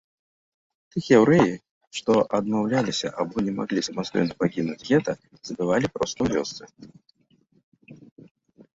Тых яўрэяў, што адмаўляліся або не маглі самастойна пакінуць гета, забівалі проста ў вёсцы.